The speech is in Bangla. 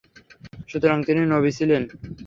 সুতরাং তিনি নবী ছিলেন।